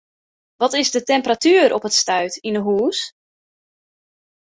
Wat is de temperatuer op it stuit yn 'e hûs?